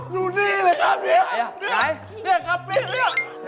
อยู่นี่เลยครับพี่